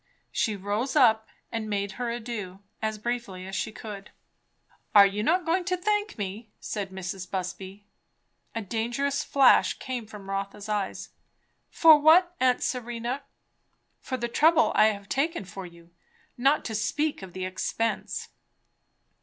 She rose up and made her adieux, as briefly as she could. "Are you not going to thank me?" said Mrs. Busby. A dangerous flash came from Rotha's eyes. "For what, aunt Serena?" "For the trouble I have taken for you, not to speak of the expense."